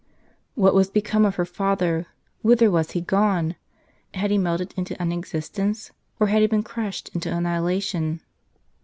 "What was become of her father? Whither was he gone? Had he melted into unexistence, or had he been crushed into annihi lation